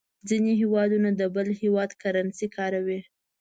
ځینې هېوادونه د بل هېواد کرنسي کاروي.